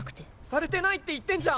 されてないって言ってんじゃん！